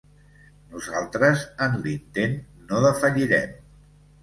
Nosaltres en l’intent no defallirem.